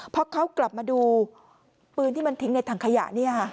พอเขากลับมาดูปืนที่มันทิ้งในถังขยะ